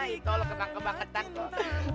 itu lo kena kebangetan kok